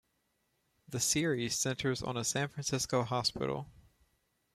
The series centers on a San Francisco hospital.